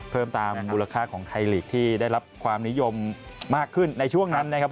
เพิ่มตามมูลค่าของไทยลีกที่ได้รับความนิยมมากขึ้นในช่วงนั้นนะครับ